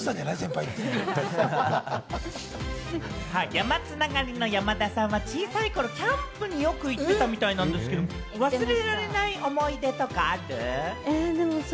山つながりの山田さんは小さい頃にキャンプによく行ってたみたいですけれども、忘れられない思い出とかある？